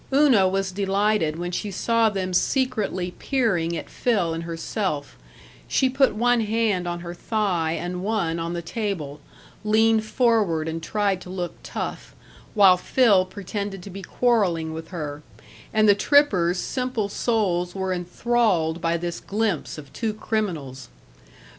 Una was delighted when she saw them secretly peering at Phil and herself; she put one hand on her thigh and one on the table, leaned forward and tried to look tough, while Phil pretended to be quarreling with her, and the trippers' simple souls were enthralled by this glimpse of two criminals.